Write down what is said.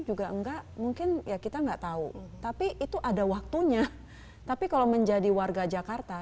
juga enggak mungkin ya kita enggak tahu tapi itu ada waktunya tapi kalau menjadi warga jakarta